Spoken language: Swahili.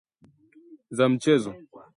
za mchezo